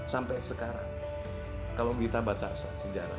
sampai sekarang kalau kita baca sejarah